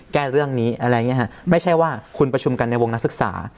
แก้เรื่องนี้อะไรอย่างนี้ฮะไม่ใช่ว่าคุณประชุมกันในวงนักศึกษา